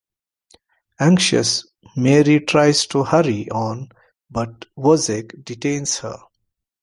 Anxious, Marie tries to hurry on but Wozzeck detains her.